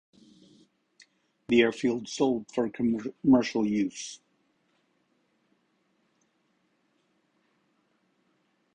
The airfield sold for commercial use.